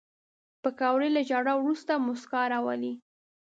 پکورې له ژړا وروسته موسکا راولي